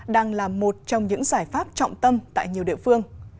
đang là một trong những giải pháp trọng tâm tại nhiều địa phương